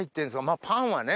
まぁパンはね。